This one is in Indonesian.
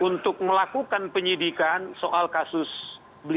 untuk melakukan penyidikan soal kasus beli